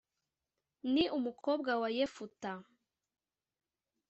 ni umukobwa wa yefuta